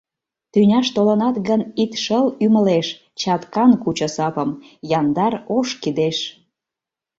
Тӱняш толынат гын, Ит шыл ӱмылеш; Чаткан кучо сапым Яндар ош кидеш.